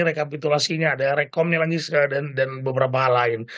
rekapitulasinya ada rekomnya lagi dan beberapa hal lain